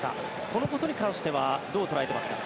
このことに関してはどう捉えていますか？